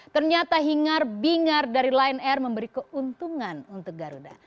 ternyata hingar bingar dari lion air memberi keuntungan untuk garuda